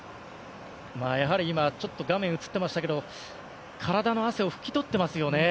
やはり今、画面映ってましたけど体の汗を拭きとっていますよね。